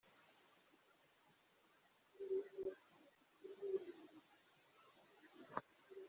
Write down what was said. Ati gumana ifoto zawe n’abo wirirwa uzinyanyagizamo kandi ntuzongera kumb…Ntabwo ijambo yarirangije kuko yahise a… (Biracyaza)